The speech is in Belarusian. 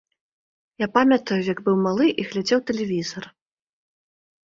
Я памятаю, як быў малы і глядзеў тэлевізар.